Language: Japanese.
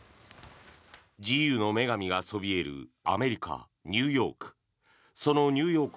自由の女神がそびえるアメリカ・ニューヨーク。